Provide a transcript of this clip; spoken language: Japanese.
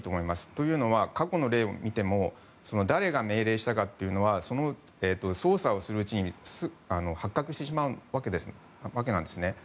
というのは過去の例を見ても誰が命令したかというのは捜査をするうちに発覚してしまうわけなんです。